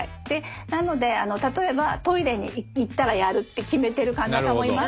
なので例えばトイレに行ったらやるって決めてる患者さんもいますし。